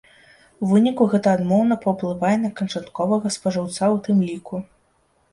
У выніку гэта адмоўна паўплывае на канчатковага спажыўца ў тым ліку.